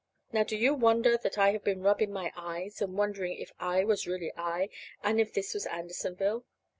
Now, do you wonder that I have been rubbing my eyes and wondering if I was really I, and if this was Andersonville?